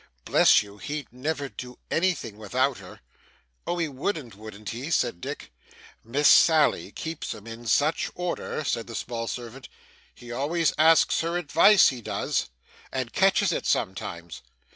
'Bless you, he'd never do anything without her.' 'Oh! He wouldn't, wouldn't he?' said Dick. 'Miss Sally keeps him in such order,' said the small servant; 'he always asks her advice, he does; and he catches it sometimes.